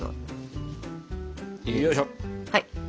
はい。